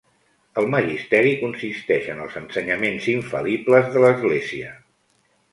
El Magisteri consisteix en els ensenyaments infal·libles de l'Església.